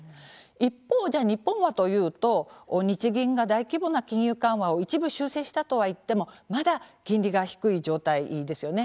一方じゃあ日本はというと日銀が大規模な金融緩和を一部修正したとはいってもまだ金利が低い状態ですよね。